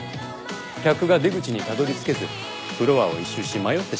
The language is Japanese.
客が出口にたどりつけずフロアを一周し迷ってしまうのです。